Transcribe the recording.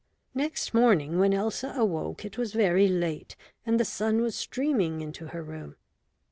Next morning when Elsa awoke it was very late, and the sun was streaming into her room.